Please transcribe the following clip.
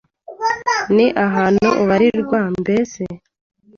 Ni ahantu ubarirwa. Mbese